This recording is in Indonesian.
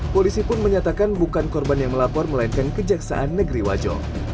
polisi pun menyatakan bukan korban yang melapor melainkan kejaksaan negeri wajo